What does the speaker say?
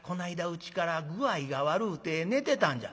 うちから具合が悪うて寝てたんじゃ」。